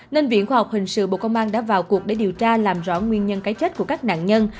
nên viện khoa học hình sự bộ công an đã vào cuộc để điều tra làm rõ nguyên nhân cái chết của các nạn nhân